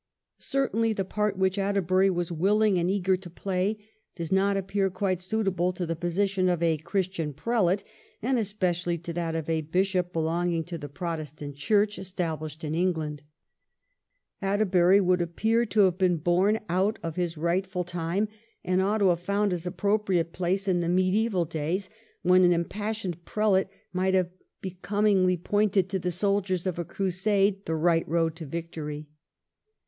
Certainly the part which Atterbury was willing and eager to play does not appear quite suitable to the position of a Christian prelate, and especially to that of a Bishop belonging to the Protestant Church VOL. II. z 338 THE REIGN OF QUEEN ANNE. ch. xxxvn. established in England. Atterbury would appear to have been born out of his rightful time, and ought to have found his appropriate place in the mediaeval days when an impassioned prelate might have becom ingly pointed to the soldiers of a crusade the right road to victory.